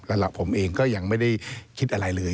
แล้วผมเองก็ยังไม่ได้คิดอะไรเลย